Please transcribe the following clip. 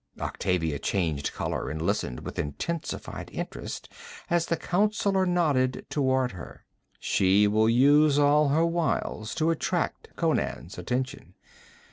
Octavia changed color and listened with intensified interest as the counsellor nodded toward her. 'She will use all her wiles to attract Conan's attention.